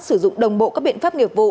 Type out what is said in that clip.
sử dụng đồng bộ các biện pháp nghiệp vụ